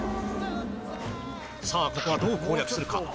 さぁここはどう攻略するか？